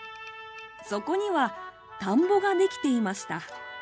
そこには田んぼができていました。